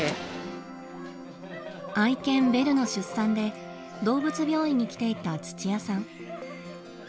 愛犬ベルの出産で動物病院に来ていた土屋さん。